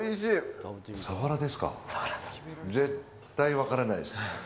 絶対分からないです。